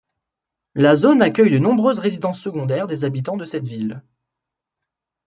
La zone accueille de nombreuses résidences secondaires des habitants de cette ville.